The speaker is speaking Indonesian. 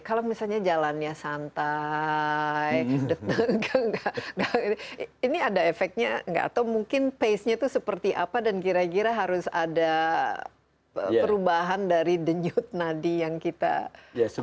kalau misalnya jalannya santai ini ada efeknya nggak atau mungkin pace nya itu seperti apa dan kira kira harus ada perubahan dari denyut nadi yang kita hasilkan